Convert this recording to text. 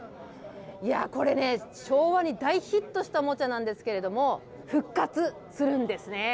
いや、これね、昭和に大ヒットしたおもちゃなんですけれども、復活するんですね。